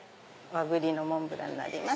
和栗のモンブランになります。